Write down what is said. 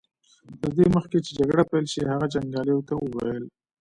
تر دې مخکې چې جګړه پيل شي هغه جنګياليو ته وويل.